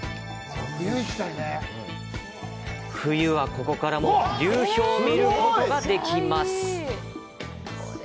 冬は、ここからも流氷を見ることができます。